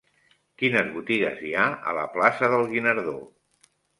Quines botigues hi ha a la plaça del Guinardó?